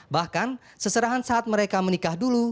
bahkan seserahan saat mereka menikah dulu